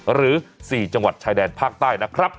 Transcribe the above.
หรือ๔จังหวัดชายแดนภาคใต้นะครับ